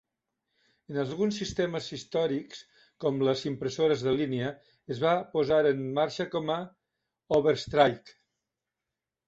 En alguns sistemes històrics, com les impressores de línia, es va posar en marxa com a "overstrike".